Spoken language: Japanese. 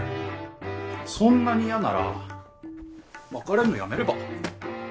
そんなに嫌なら別れるのやめれば？